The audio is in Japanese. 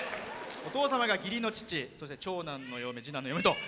お父様が「義理の父」そして、「長男の嫁」「次男の嫁」と。